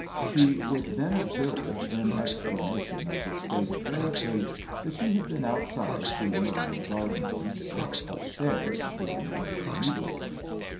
She would then 57 HAMPSHIRE VIGNETTES observe, in explanation of this state of barricade, that she had been outside doing a little gardening, or upstairs, doing a little needlework.